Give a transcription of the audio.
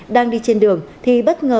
đang đi trên đường thì bất ngờ